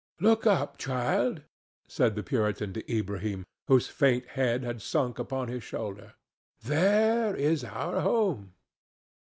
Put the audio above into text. "Look up, child," said the Puritan to Ilbrahim, whose faint head had sunk upon his shoulder; "there is our home."